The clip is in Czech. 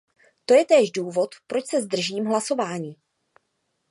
To je též důvod, proč se zdržím hlasování.